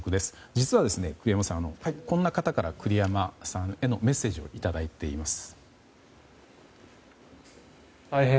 実は栗山さん、こんな方から栗山さんへのメッセージをいただいています。